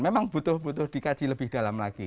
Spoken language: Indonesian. memang butuh butuh dikaji lebih dalam lagi